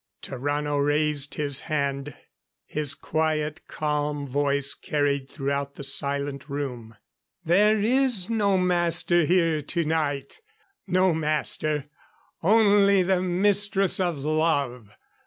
Tarrano raised his hand; his quiet, calm voice carried throughout the silent room. "There is no Master here tonight. No Master only the Mistress of Love.